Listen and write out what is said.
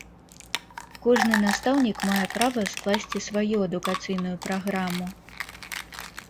Кожны настаўнік мае права скласці сваю адукацыйную праграму.